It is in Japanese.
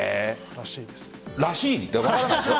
らしいって分からないでしょ。